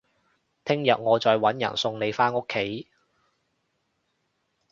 聽日我再搵人送你返屋企